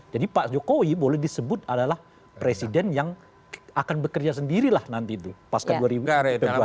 jadi pak jokowi boleh disebut adalah presiden yang akan bekerja sendirilah nanti itu pas ke dua ribu